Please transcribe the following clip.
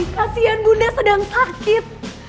kasian bunda sedang sakit